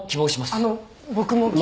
あの僕も。